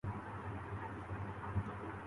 دوسروں کے بارے میں فکر مند رہتا ہوں